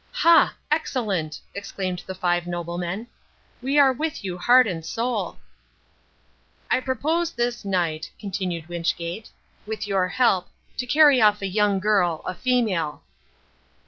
"Ha! excellent!" exclaimed the five noblemen. "We are with you heart and soul." "I propose this night," continued Wynchgate, "with your help, to carry off a young girl, a female!"